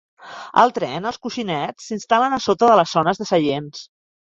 Al tren, els coixinets s'instal·len a sota de les zones de seients.